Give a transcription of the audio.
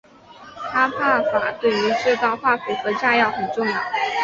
哈柏法对于制造化肥和炸药很重要。